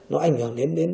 nó ảnh hưởng đến